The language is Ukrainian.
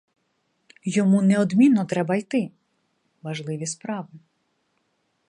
Йому неодмінно треба йти — важливі справи.